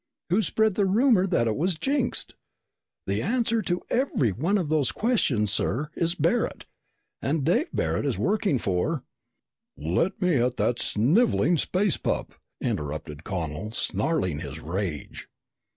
Who spread the rumor that it was jinxed? The answer to every one of those questions, sir, is Barret. And Dave Barret is working for " "Let me at that sniveling space pup!" interrupted Connel, snarling his rage.